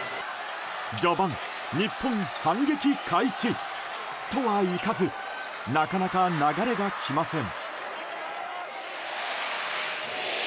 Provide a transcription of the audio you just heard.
序盤、日本反撃開始とはいかずなかなか流れが来ません。